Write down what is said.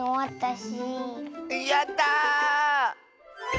やった！